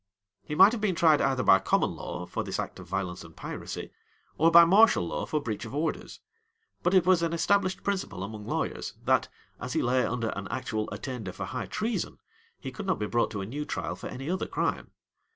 He might have been tried either by common law, for this act of violence and piracy; or by martial law, for breach of orders: but it was an established principle among lawyers,[*] that, as he lay under an actual attainder for high treason, he could not be brought to a new trial for any other crime.